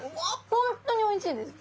本当においしいです！